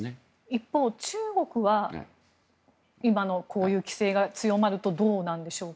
一方、中国は今のこういう規制が強まるとどうなんでしょうか。